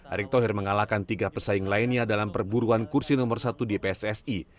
erick thohir mengalahkan tiga pesaing lainnya dalam perburuan kursi nomor satu di pssi